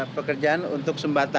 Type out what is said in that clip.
pekerjaan untuk sumbatan